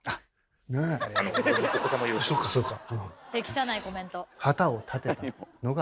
そうかそうか。